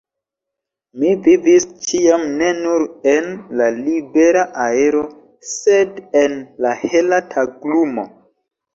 Mi vivis ĉiam ne nur en la libera aero, sed en la hela taglumo.